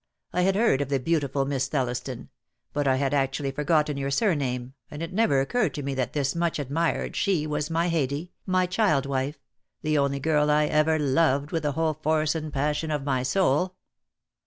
I had heard of the beauti ful Miss Thelliston; but I had actually forgotten your surname, and it never occurred to me that this much admired she was my Haidee, my child wife, the only girl I ever loved with the whole force and passion of my soul.